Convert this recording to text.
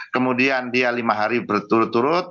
kemudian dia lima hari berturut turut